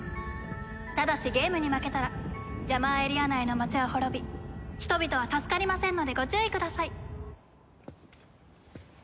ただしゲームに負けたらジャマーエリア内の町は滅び人々は助かりませんのでご注意ください。